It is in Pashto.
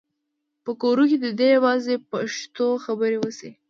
په کور کې دې یوازې پښتو خبرې وشي.